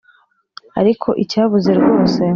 ariko icyabuze rwose